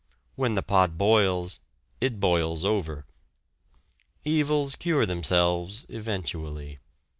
When the pot boils it boils over. Evils cure themselves eventually.